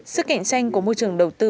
sức cảnh tranh của môi trường đầu tư